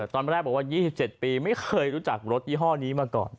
ตอนแรกบอกว่า๒๗ปีไม่เคยรู้จักรถยี่ห้อนี้มาก่อน